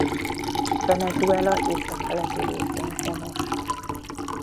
Venezuela északkeleti részén honos.